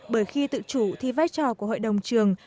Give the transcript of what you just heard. bởi khi tự chủ thì vai trò của hội đồng trường